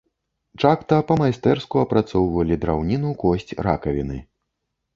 Чакта па-майстэрску апрацоўвалі драўніну, косць, ракавіны.